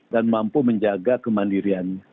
dan mampu menjaga kemandiriannya